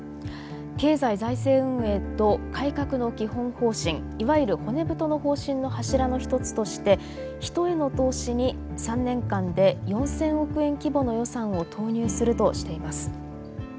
経済財政運営と改革の基本方針いわゆる骨太の方針の柱の一つとして人への投資に３年間で４，０００億円規模の予算を投入するとしています。